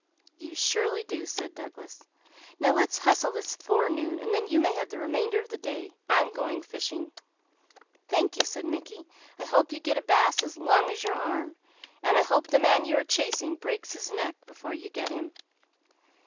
"You surely do," said Douglas. "Now let's hustle this forenoon, and then you may have the remainder of the day. I am going fishing." "Thank you," said Mickey, "I hope you get a bass as long as your arm, and I hope the man you are chasing breaks his neck before you get him."